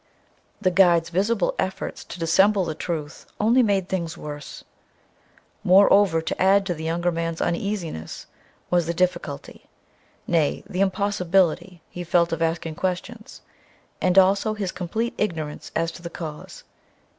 The guide's visible efforts to dissemble the truth only made things worse. Moreover, to add to the younger man's uneasiness, was the difficulty, nay, the impossibility he felt of asking questions, and also his complete ignorance as to the cause